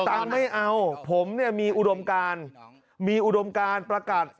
ตังค์ไม่เอาผมมีอุดมการ